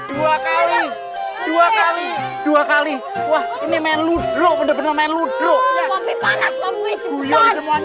dua kali dua kali dua kali wah ini menurut romudro